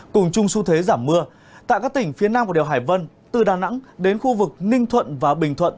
cùng chung xu thế giảm mưa tại các tỉnh phía nam của đèo hải vân từ đà nẵng đến khu vực ninh thuận và bình thuận